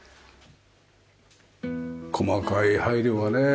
細かい配慮がね。